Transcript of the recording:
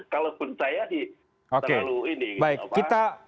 kalaupun saya di terlalu ini